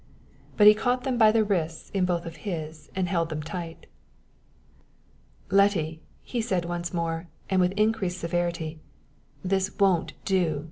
But he caught them by the wrists in both of his, and held them tight. "Letty," he said once more, and with increased severity, "this won't do.